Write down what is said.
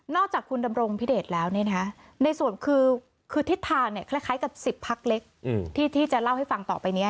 จากคุณดำรงพิเดชแล้วในส่วนคือทิศทางคล้ายกับ๑๐พักเล็กที่จะเล่าให้ฟังต่อไปนี้